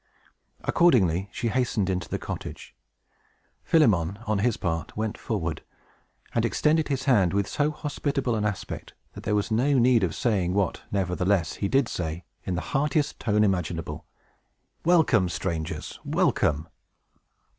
Accordingly, she hastened into the cottage. Philemon, on his part, went forward, and extended his hand with so hospitable an aspect that there was no need of saying what nevertheless he did say, in the heartiest tone imaginable, "Welcome, strangers! welcome!"